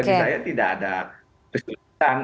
maksud saya tidak ada kesulitan